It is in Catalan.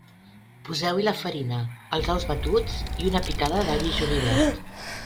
Poseu-hi la farina, els ous batuts i una picada d'all i julivert.